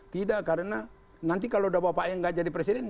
tidak karena nanti kalau bapaknya tidak jadi presiden